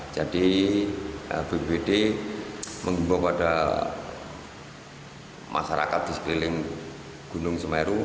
jadi bpd menggubah pada masyarakat di sekeliling gunung semeru